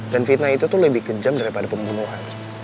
dan fitnah itu tuh lebih kejam daripada pembunuhan